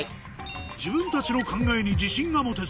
自分たちの考えに自信が持てず